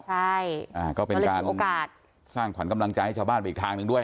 ใช่ก็เป็นการโอกาสสร้างขวัญกำลังใจให้ชาวบ้านไปอีกทางหนึ่งด้วย